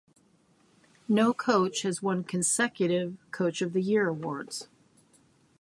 No coach has won consecutive Coach of the Year awards.